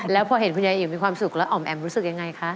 แล้วพอเห็นคุณยายเอ๋มีความสุขแล้วอ๋อมแอ๋มรู้สึกยังไงคะ